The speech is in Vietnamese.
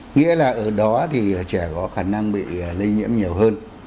nghĩa là ở đó thì trẻ có khả năng bị lây nhiễm nhiều hơn